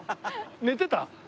寝てた？